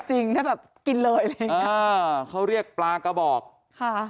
จริงถ้าแบบกินเลยเออเขาเรียกปลากระบอกค่ะ